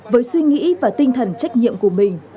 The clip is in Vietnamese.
với suy nghĩ và tinh thần trách nhiệm của mình